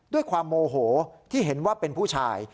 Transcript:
ด้วยความโมโหที่เห็นว่าเป็นผู้ชาย